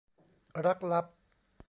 รักลับ